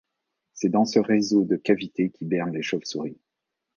C'est dans ce réseau de cavités qu’hibernent les chauves-souris.